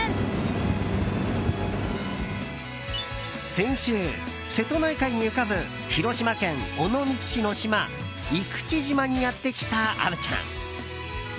先週、瀬戸内海に浮かぶ広島県尾道市の島生口島にやってきた虻ちゃん。